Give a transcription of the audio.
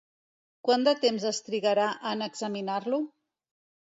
Quant de temps es trigarà en examinar-lo?